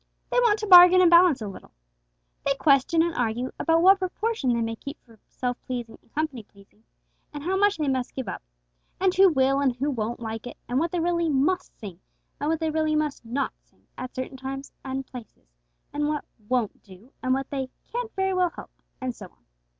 They want to bargain and balance a little. They question and argue about what proportion they may keep for self pleasing and company pleasing, and how much they must 'give up'; and who will and who won't like it; and what they 'really must sing,' and what they 'really must not sing' at certain times and places; and what 'won't do,' and what they 'can't very well help,' and so on.